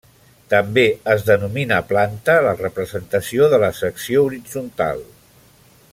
També es denomina planta la representació de la secció horitzontal.